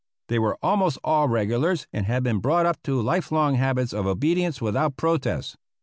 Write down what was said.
They were almost all regulars and had been brought up to life long habits of obedience without protest.